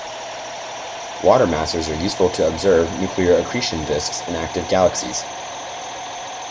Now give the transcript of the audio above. Water masers are useful to observe nuclear accretion disks in active galaxies.